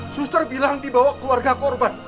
suster bilang dibawa keluarga korban